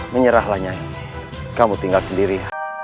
menyerahlah nyai kamu tinggal sendiri